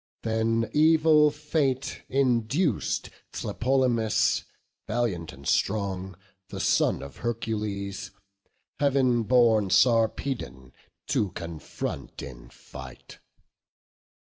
Then evil fate induc'd Tlepolemus, Valiant and strong, the son of Hercules, Heav'n born Sarpedon to confront in fight.